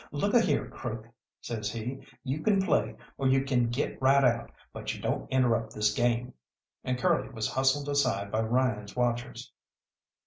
"Look a here, Crook," says he, "you can play, or you can get right out, but you don't interrupt this game." And Curly was hustled aside by Ryan's watchers.